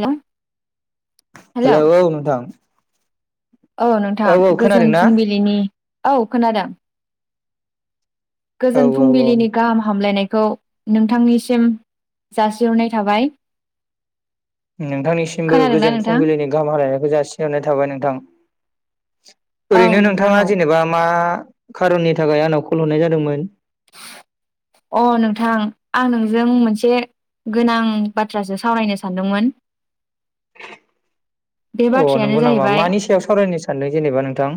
Hello hello hello औ नोंथां औ नोंथां औ खोनादों गोजोन ना फुंबिलिनि औ खोनादों औ गोजोन औ औ फुंबिलिनि गाहाम हामलायनाय खौ नोंथांनिसिम जासिहरनाय थाबाय नोंथांनिसिमबो खोनादोंना गोजोन नोंथां फुंबिलिनि गाहाम हालायनायखौ जासिहरनाय थाबाय नोंथां औ ओरैनो नोंथां नोंथाङा औ जेनेबा मा खारननि थाखाय आंनाव कल हरनाय जादोंमोन अ नोंथां आं नोंजों मोनसे गोनां बाथ्रासो सावरायनो सानदोंमोन बे अ बाथ्रायानो नंगौ नामा जाहैबाय मानि सायाव सावरायनो सानदों जेनेबा नोंथां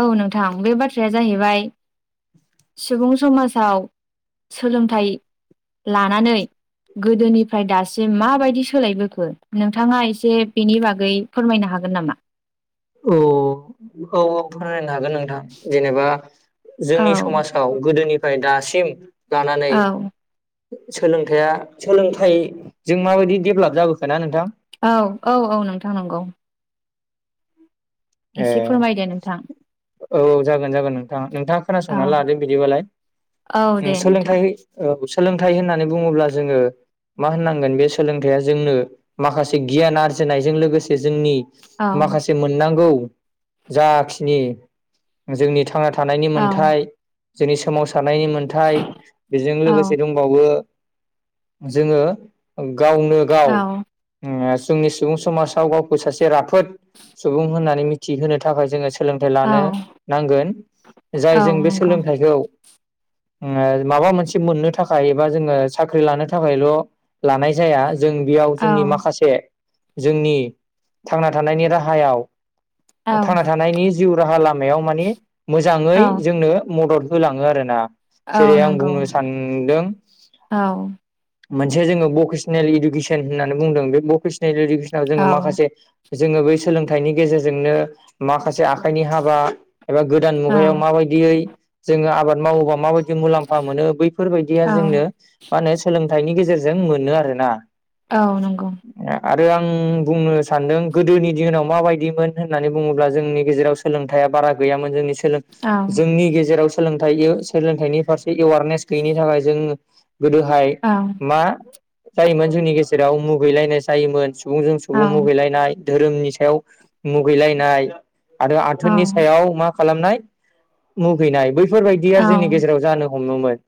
औ नोंथां बे बाथ्राया जाहैबाय सुबुं समाजआव सोलोंथाइ लानानै गोदोनिफ्राय दासिम माबायदि सोलायबोखो नोंथाङा एसे बेनि बागै फोरमायनो हागोन हागोन नामा औ औ औ फोरमायनो हागोन नोंथां जेनेबा औ जोंनि समाजआव गोदोनिफ्राय दासिम लानानै औ सोलोंथाइया सोलोंथाइजों माबायदि डेभलप जाबोखो ना नोंथां औ औ औ नोंथां नंगौ ए एसे फोरमायदो नोंथां औ जागोन जागोन नोंथाङ नोंथाङा औ खोनासंनानै लादो बिदिबालाय औ दे नोंथां सोलोंथाइ औ सोलोंथाइ होननानै बुङोब्ला जोङो मा होननांगोन बे सोलोंथाइया जोंनो माखासे गियान आरजिनायजों लोगोसे जोंनि औ माखासे मोननांगौ जाखिनि जोंनि थांना थानाय थानायनि औ मोनथाय जोंनि सोमावसारनायनि मोनथाय बेजों औ लोगोसे दंबावो जोङो गावनो गाव औ जोंनि सुबुं समाजाव गावखौ सासे राफोद सुबुं होननानै मिथिहोनो थाखाय जोङो सोलोंथाइ औ लानो नांगोन जाय औ जों बे नंगौ सोलोंथाइखौ माबा मोनसे मोननो थाखाय एबा जोङो साख्रि लानो थाखायल' लानाय जाया जों बेयाव औ जोंनि माखासे जोंनि थांना थानायनि राहायाव औ थांना थानायनि जिउ राहा लामायाव माने मोजाङै औ जोंनो मदद होलाङो आरो ना औ जेरै आं नंगौ बुंनो सानदों औ मोनसे जोङो भकेसनेल इडुकेसन होननानै बुंदों बे भकेसनेल इडुकेसनाव औ जोङो माखासे जोङो बै सोलोंथाइनि गेजेरजोंनो माखासे आ आखाइनि हाबा एबा गोदान औ मुगायाव माबायदियै जोङो आबाद मावोबा माबायदि मुलाम्फा मोनो बैफोरबायदिया जोंनो मा होनो सोलोंथाइनि गेजेरजों मोनो आरोना औ नंगौ आरो आं बुंनो सानदों गोदोनि दिनाव माबायदिमोन होननानै बुङोब्ला जोंनि गेजेराव सोलोंथाइया बारा गैयामोन जोंनि औ औ जोंनि गेजेराव सोलोंथाइ सोलोंथाइनि फारसे एवारनेस गैयिनि थाखाय जोङो गोदोहाय मा जायोमोन जोंनि गेजेराव मुगैलायनाय जायोमोन सुबुंजों औ सुबुं नंगौ मुगैलायनाय धोरोमनि सायाव मुगैलायनाय आरो औ आथोननि सायाव मा खालामनाय मुगैनाय बैफोरबायदिया औ जोंनि गेजेराव जानो हमोमोन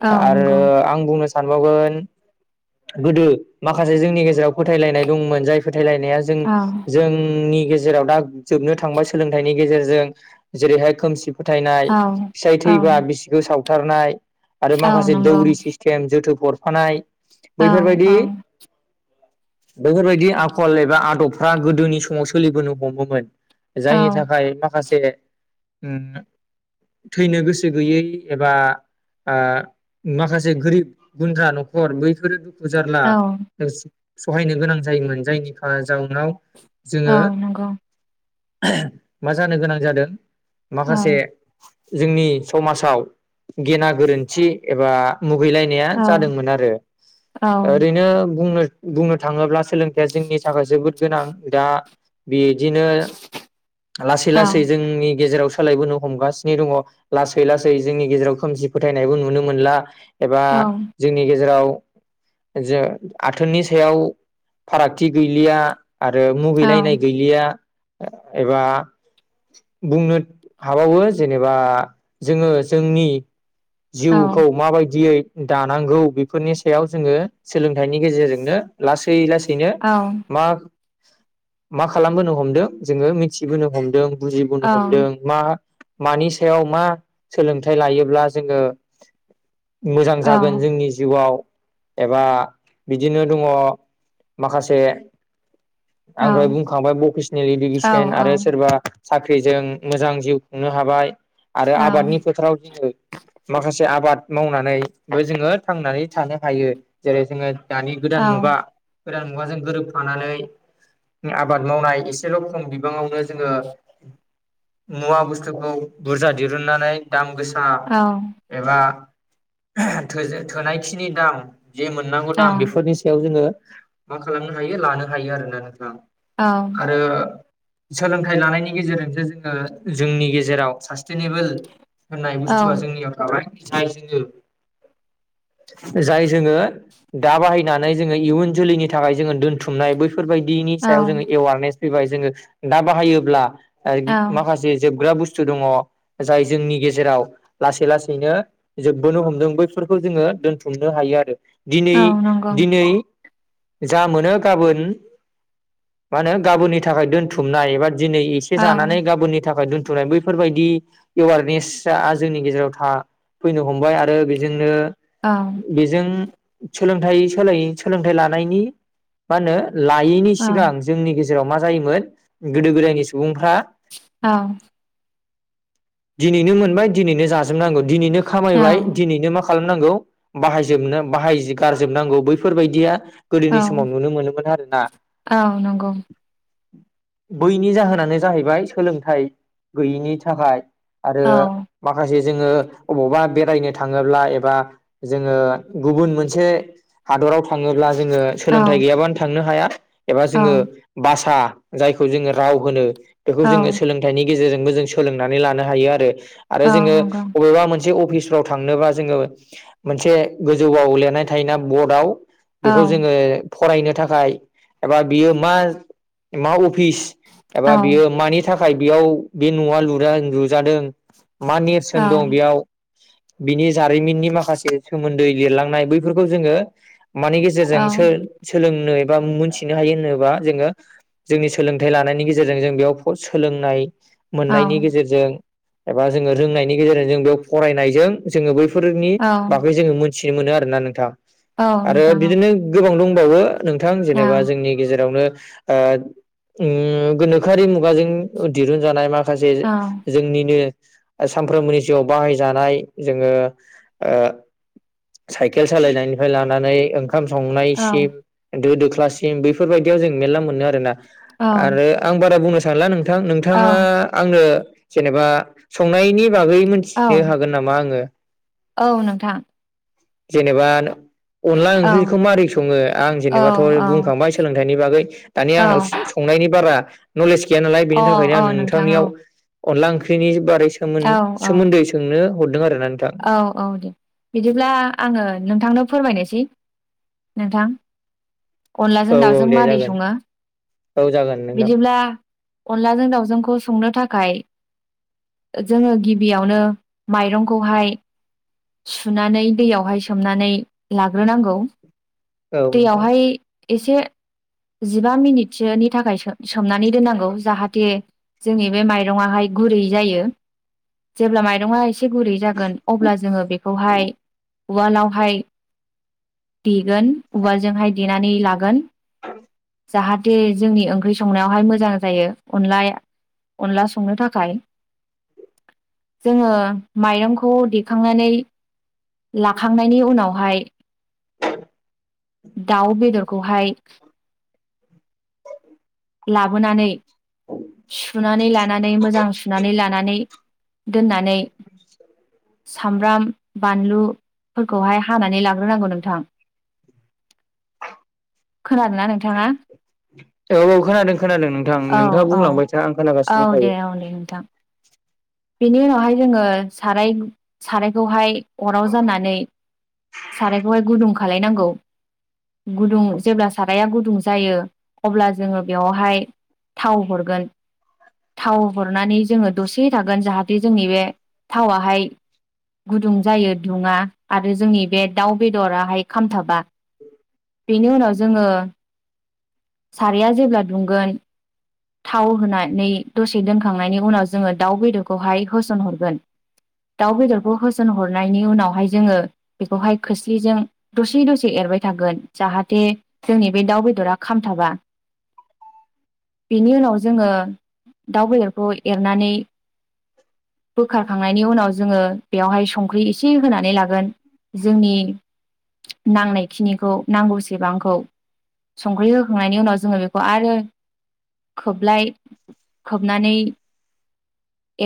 औ आरो नंगौ आं बुंनो सानबावगोन गोदो माखासे जोंनि गेजेराव फोथायलायनाय दंमोन जाय फोथायलायनाया जों औ जोंनि जेराव दा जोबनो थांबाय सोलोंथाइनि गेजेरजों जेरैहाय खोमसि फोथायनाय औ फिसाय थैब्ला औ बिसिखौ सावथारनाय आरो औ माखासे दौ बैफोरबायदि बेफोरबायदि आखल एबा आदबफ्रा गोदोनि समाव सोलिबोनो हमोमोन जायनि थाखाय माखासे ओम थैनो गोसो गैयै एबा ओ माखासे गोरिब गुन्द्रा न'खर बैफोरो दुखु जारला सहायनो गोनां जायोमोन जायनि जाउनाव औ जोङो नंगौ मा जानो गोनां जादों औ माखासे जोंनि समाजाव गेना गोरोन्थि एबा मुगैलायनाया औ जादोंमोन आरो औ ओरैनो बुंनो बुंनो थाङोब्ला सोलोंथाया जोंनि थाखाय जोबोद गोनां दा बे बिदिनो लासै औ लासै जोंनि गेजेराव सालायबोनो हमगासिनो दङ लासै लासै जोंनि गेजेराव खोमसि फोथायनायबो नुनो मोनला एबा जोंनि गेजेराव जे आथोननि सायाव फारागथि गैलिया आरो नंगौ औ मुगैलायनाय गैलिया एबा बुंनो हाबावो जेनेबा जोङो जोंनि औ जिउखौ माबायदियै दानांगौ बेफोरनि सायाव जोङो सोलोंथाइनि गेजेरजोंनो लासै लासै औ मा खालामबोनो हमदों जोङो मिथिबोनो हमदों बुजिबोनो हमदों मा मानि सायाव मा सोलोंथाइ लायोब्ला जोङो मोजां औ नंगौ जागोन जोंनि जिउआव एबा बिदिनो दङ माखासे आं दहाय बुंखांबाय भकेसनेल औ इडुकेसन आरो सोरबा साख्रिजों मोजां जिउ खुंनो हाबाय आरो आबादनि फोथाराव जोङो माखासे आबाद मावनानैबो जोङो थांनानै थानो हायो जेरै जोङो दानि गोदान मुगा गोदान मुगाजों गोरोबफानानै आबाद मावनाय एसेल' खम बिबाङावनो जोङो मुवा बुस्थुखौ बुरजा दिहुननानै दाम गोसा गोसा एबा थो थोनायखिनि दाम जे मोननांगौ औ दाम बेफोरनि सायाव जोङो मा खालामनो हायो लानो हायो आरोना नोंथां आरो सोलोंथाइ लानायनि गेजेरजोंसो जोङो जोंनि गेजेराव सासे सासटेनेबोल होननाय बुस्थु जोंनियाव थाबाय जाय जोङो जाय जोङो दा बाहायनानै जोङो इयुन जोलैनि थाखाय जोङो दोनथुमनाय बैफोरबायदि जोङो एवारनेस फैबाय जोङो दा बाहायोब्ला माखासे जोबग्रा बुसथु बुस्थु दङ जाय जोंनि गेजेराव लासै लासैनो जोबबोनो हमदों बैफोरखौ जोङो दोनथुमनो हायो आरो औ दिनै नंगौ दिनै जा मोनो गाबोन मा होनो गाबोननि थाखाय दोन्थुमनाय एबा दिनै एसे औ जानानै गाबोननि थाखाय दोन नाय बैफोरबायदि एवारनेसा जोंनि गेजेराव था फैनो हमबाय आरो बेजोंनो औ बेजों सोलोंथाइ सोलाय सोलोंथाइ लानायनि मा होनो लायैनि सिगां जोंनि गेजेराव मा जायोमोन गोदो गोदायनि सुबुं औ दिनैनो मोनबाय दिनैनो जाजोबनांगौ दिनैनो खामायबाय दिनैनो माखा खालामनांगौ बाहायजोबनो बाहाय गारजोबनांगौ बैफोरबायदिया गोदोनि समाव नुनो मोनोमोन आरो ना। बैनि जाहोनानो जाहैबाय सोलोंथाइ गैयिनि थाखाय। आरो माखासे जोङो बबावबा बेरायनो थाङोब्ला एबा जोङो गुबुन मोनसे हादर हादराव थाङोब्ला जोङो सोलोंथाइ गैयाबानो थांनो हाया। एबा जोङो भाषा जायखौ जोङो राव होनो बेखौ जोङो सोलोंथाइनि गेजेरजोंबो जों सोलोंनानै लानो हायो आरो आरो जों औ अबेबा मोन मोनसे अफिसफ्राव थांनोबा जोङो मोनसे गोजौआव लिरनाय थायोना बर्डआव बेखौ जोङो फरायनो थाखाय एबा बियो मा मा अफिस एबा बियो मानि थाखाय बेयाव बे न'आ लुआ लुजादों मा नेरसोन दं बेयाव बिनि जारिमिननि माखासे सोमोन्दै लिरलांनाय बैफोरखौ जोङो मानि गेजेरजों सोलोंनो एबा मोनथिनो हायो होनोबा जोङो जोंनि सोलोंथाइ लानायनि गेजेरजों जों बेयाव सोलोंनाय औ मोननायनि गेजेरजों एबा जोङो रोंनायनि गेजेरजों जों बेयाव फरायनायजों जोङो बै बेफोरनि औ बागै जोङो मोनथिनो मोनो आरोना नोंथां आरो नोंथां बिदिनो गोबां दंबावो। नोंथां औ जेनेबा जोंनि गेजेरावनो ओ‌ उम गोनोखोआरि मुगाजों दिरुनजानाय माखासे ओ सानफ्रोमबोनि जिउआव बाहायजानाय जोङो ओ साइकेल सालायनायनिफ्राय लानानै ओं खाम संनायसिम दो दोख्लासिम बैफोरबायदियाव जों मेरला मोनो आरोना औ आरो आं बारा बुंनो सानला नोंथां औ नोंथाङा आंनो जेनेबा संनायनि बागै औ मोनथिनो हागोन नामा आङो औ नोंथां जेनेबा अनला औ ओंख्रिखौ मारै सङो आं औ जेनेबाथ' औ बुंखांबाय सोलोंथाइनि बागै दानि औ आंनाव सं संनायनि बारा नलेज गैया नालाय अ बेनि थाखायनो अ आं नोंथां औ नोंथांनियाव अनला ओंख्रिनि बारै सोमोन औ औ सोमोन्दै सोंनो हरदों आरो औ औ दे बिदिब्ला आङो नोंथांनो फोरमायनोसै नोंथां औ अनलाजों औ दाउजों दे मारै जागोन सङो औ जागोन नोंथां बिदिब्ला अनलाजों दावजोंखौ संनो थाखाय जोङो गिबियावनो माइरंखौहाय सुनानै दैयावहाय सोमनानै लाग्रोनांगौ। औ नोंथां दैयावहाय एसे जिबा मिनिटसोनि थाखाय सोम सोमनानै दोननांगौ जाहाथे जोंनि बे माइरङाहाय गुरै जायो जेब्ला माइरंआ एसे एसे गुरै जागोन अब्ला जोङो बेखौहाय उवालावहाय दे गोन उवालाजोंहाय देनानै लागोन जाहाथे जोंनि ओंख्रि संनायावहाय मोजां जायो अनलाया अनला संनो थाखाय जोङो माइरंखौ देखांनानै लाखांनायनि उनावहाय दाउ बेदर खौहाय [unintelligible] लाबोनानै सुनानै लानानै मोजां सुनानै लानानै दोननानै सामब्राम बानलु फोरखौहाय हानानै लाग्रोनांगौ नोंथां। खोनादोंना नोंथाङा औ औ खोनादों खोनादों नोंथां औ नोंथाङा औ बुंलांबाय था आं खोनागासिनो औ दे दंखायो औ दे नोंथां बेनि उनावहाय जोङो साराय सारायखौहाय अराव जाननानै सारायखौहाय गुदुं खालायनांगौ गुदुं जेब्ला साराया गुदुं जायो अब्ला जोङो बेवहाय थाव हरगोन थाव हरनानै जोङो दसे थागोन जाहाथे जोंनि बे थावाहाय गुदुं जायो दुङा आरो जोंनि बे दाउ बेदराहाय खामथाबा बेनि उनाव जोङो साराया जेब्ला दुंगोन थाव होनानै दसे दोनखांनायनि उनाव जोङो दाउ बेदरखौहाय होसनहरगोन दाउ बेदरखौ होसन हरनायनि उनावहाय जोङो बेखौहाय खोस्लिजों दसे दसे एर थागोन जाहाथे जोंनि बे दाउ बेदरा खामथाबा बेनि उनाव जोङो दाउ बेदरखौ एरनानै बोखारखांनायनि उनाव जोङो बेवहाय संख्रि एसे होनानै लागोन जोंनि नांनाय खिनिखौ नांगौसेबांखौ संख्रि होखांनायनि उनाव जोङो बेखौ आरो खोबलाय खोबनानै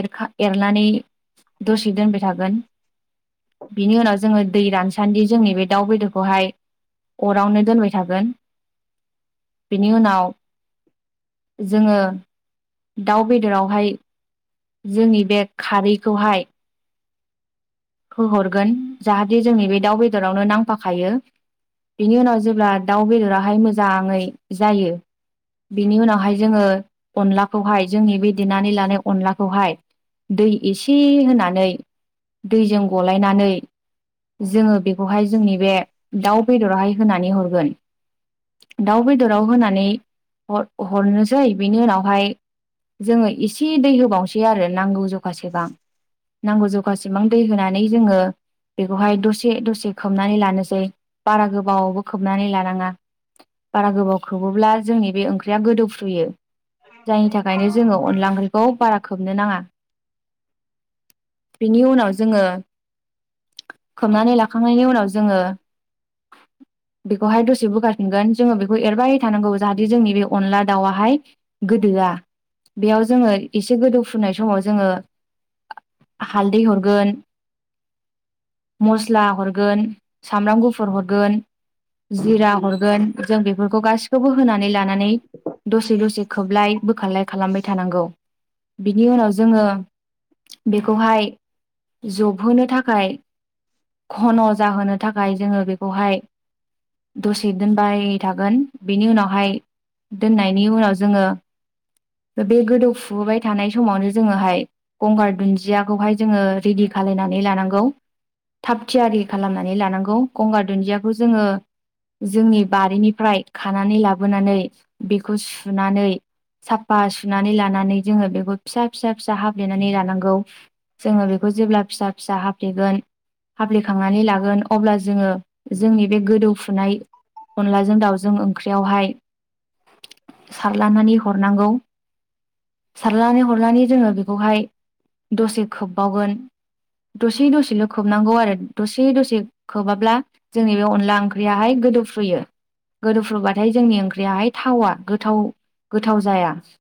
एरखा एरनानै दसे दोनबाय थागोन बिनि उनाव जोङो दै रानसान्दि जोंनि बे दाउ बेदरखौहाय अरावनो दोनबाय थागोन बेनि उनाव जोङो दाउ बेदरावहाय जोंनि बे खारैखौहाय होहरगोन जाहाथे जोंनि बे दाउ बेदरावनो नांफाखायो बेनि उनाव जेब्ला दाउ बेदराहाय मोजाङै जायो बिनि उनावहाय जोङो अनलाखौहाय जोंनि बे देनानै लानाय अनलाखौहाय दै एसे होनानै दैजों गलायनानै जोङो बेखौहाय जोंनि बे दाउ बेदरहाय होनानै हरगोन दाउ बेदराव होनानै हरनोसै बेनि उनावहाय जोङो एसे दै होबावनोसै आरो नांगौ जखासेबां नांगौ जखासे बिसेबां दै होनानै जोङो बेखौहाय दसे दसे खोबनानै लानोसै बारा गोबावबो खोबनानै लानाङा बारा गोबाव खोबोब्ला जोंनि बे ओंख्रिया गोदौफ्रुयो जायनि थाखायनो जोङो अनला ओंख्रिखौ बारा खोबनो नाङा बिनि उनाव जोङो खोबनानै लाखांनायनि उनाव जोङो [inaudible] बेखौहाय दसे बुखारफिनगोन जोङो बेखौ एरबाय थानांगौ जाहाथे जोंनि बे अनला दाउआहाय गोदोआ बेयाव जोङो एसे गोदौ फुनाय समाव जोङो हालदै हरगोन मस्ला हरगोन सामब्राम गुफुर हरगोन जिरा हरगोन जों बेफोरखौ गाैखौबो होनानै ला दसे दसे खोबलाय बोखारलाय खालामबाय थानांगौ बिनि उनाव जोङो बेखौहाय जबहोनो थाखाय घन' जाहोनो थाखाय जोङो बेखौहाय दसे दोनबाय थागोन बेनि उनावहाय दोननायनि उनाव जोङो बे गोदौफुबाय थानाय समावनो जोङोहाय गंगार दुन्दि दियाखौहाय जोङो रेडि खालायनानै लानांगौ थाग थियारि खालामनानै लानांगौ गंगार दुन्दियाखौ जोङो जोंनि बारिनिफ्राय खानानै लाबोनानै बेखौ सुनानै साफा सुनानै लानानै जोङो बेखौ फिसा फिसा फिसा हाफ्लेनानै लानांगौ । जोङो बेखौ जेब्ला फिसा फिसा हाफ्लेगोन हाफ्लेखांनानै लागोन अब्ला जोङो जोंनि बे गोदौफुनाय अनलाजों दाउजों ओंख्रियावहाय सारलानानै हरनांगौ । सारनानै हरनानै जोङो बेखौहाय दसे खोबबावगोन । दसे दसेल' खोबनांगौ आरो दसे दसे खोबाब्ला जोंनि बे अनला ओंख्रियाहाय गोदोफ्रुयो गोदोफ्रुबाथाय जोंनि ओंख्रियाहाय थावा गोथाव गोथाव जाया ।